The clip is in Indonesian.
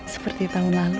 seperti tahun lalu